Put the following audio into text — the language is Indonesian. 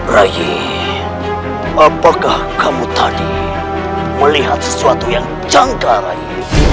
rai apakah kamu tadi melihat sesuatu yang janggal rai